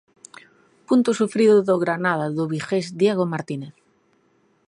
Punto sufrido do Granada do vigués Diego Martínez.